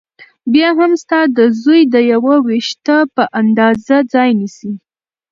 بيا هم ستا د زوى د يوه وېښته په اندازه ځاى نيسي .